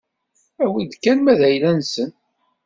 Awi-d kan ma d ayla-nsen.